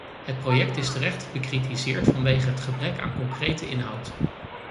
Het project is terecht bekritiseerd vanwege het gebrek aan concrete inhoud.